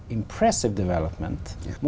ở quốc gia việt nam